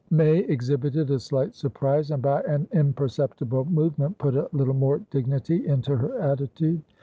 May exhibited a slight surprise, and by an imperceptible movement put a little more dignity into her attitude.